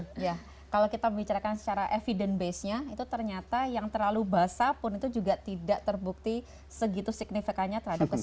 nah kalau kita membicarakan secara evidence base nya itu ternyata yang terlalu basah pun itu juga tidak terbukti segitu signifikannya terhadap kesehatan